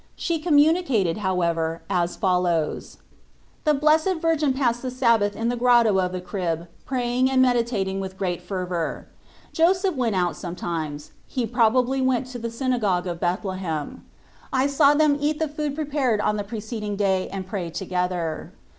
She communicated, however, as follows : The Blessed Virgin passed the Sabbath in the Grotto of the Crib praying and med itating with great fervour. Joseph went out sometimes: he probably went to the synagogue of Bethlehem. I saw them 8o Ube iRatfvits of eat the food prepared on the preceding day and pray together.